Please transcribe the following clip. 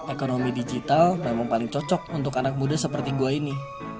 ekonomi digital memang paling cocok untuk anak muda seperti gue ini